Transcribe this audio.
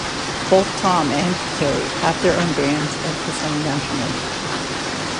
Both Tom and Terry have their own bands and perform nationally.